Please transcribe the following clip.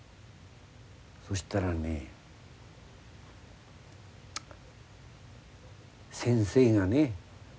そしたらね先生がね